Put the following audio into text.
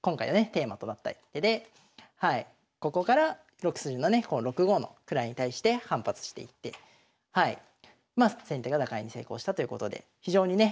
テーマとなった一手でここから６筋のねこの６五の位に対して反発していってまあ先手が打開に成功したということで非常にね